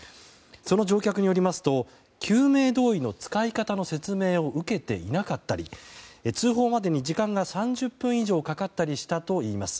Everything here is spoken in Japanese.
その乗客によりますと救命胴衣の使い方の説明を受けていなかったり通報までに時間が３０分以上かかったりしたといいます。